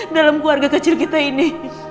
dalam keluarga kecil kita ini